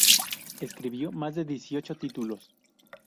Escribió más de dieciocho títulos.